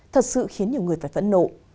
thật sự khiến nhiều người phải phẫn nộ